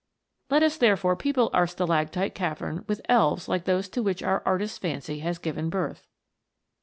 Let us therefore people our stalactite cavern with elves like those to which our artist's fancy has given birth.